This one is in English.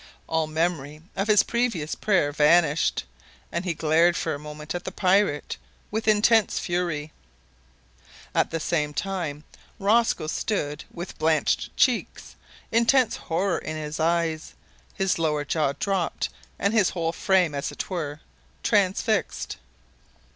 All memory of his previous prayer vanished, and he glared for a moment at the pirate with intense fury. At the same time Rosco stood with blanched cheeks, intense horror in his eyes, his lower jaw dropped, and his whole frame, as it were, transfixed.